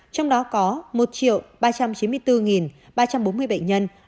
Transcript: trong đó có một ba trăm chín mươi bốn ba trăm bốn mươi bệnh nhân